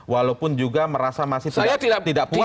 walaupun juga merasa masih saya tidak tidak puas